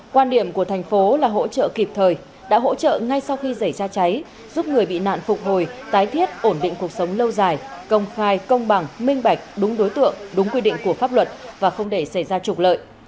quan điểm của thành phố là hỗ trợ kịp thời đã hỗ trợ ngay sau khi xảy ra cháy giúp người bị nạn phục hồi tái thiết ổn định cuộc sống lâu dài công khai công bằng minh bạch đúng đối tượng đúng quy định của pháp luật và không để xảy ra trục lợi